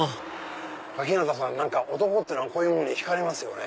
小日向さん何か男ってのはこういうものに引かれますよね。